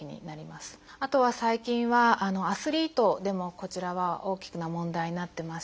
あとは最近はアスリートでもこちらは大きな問題になってまして。